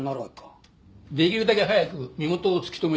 できるだけ早く身元を突き止めてもらいたい。